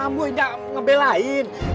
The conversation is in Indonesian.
an gue gak ngebelain